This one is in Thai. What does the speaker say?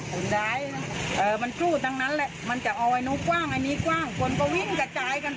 คนก็วิ่งกระจายกันไปหมด